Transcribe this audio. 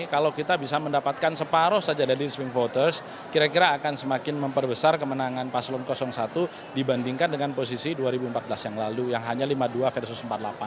kalau kita bisa mendapatkan separuh saja dari swing voters kira kira akan semakin memperbesar kemenangan paslon satu dibandingkan dengan posisi dua ribu empat belas yang lalu yang hanya lima puluh dua versus empat puluh delapan